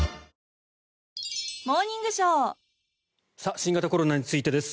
新型コロナについてです。